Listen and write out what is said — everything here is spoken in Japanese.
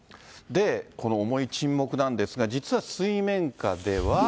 この重い沈黙なんですが、実は水面下では。